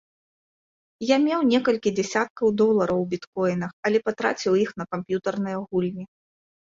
Я меў некалькі дзясяткаў долараў у біткоінах, але патраціў іх на камп'ютарныя гульні.